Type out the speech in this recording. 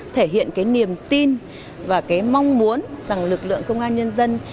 thể hiện cái niềm tin và cái mong muốn rằng lực lượng công an nhân dân